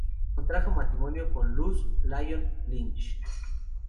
Contrajo matrimonio con "Luz Lyon Lynch".